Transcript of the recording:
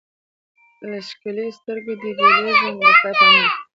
له ښکلیو سترګو دي بېلېږمه د خدای په امان